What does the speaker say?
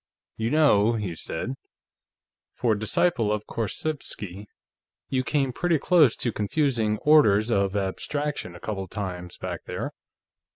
"You know," he said, "for a disciple of Korzybski, you came pretty close to confusing orders of abstraction, a couple of times, back there.